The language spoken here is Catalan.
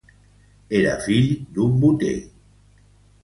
Era fill d'un boter.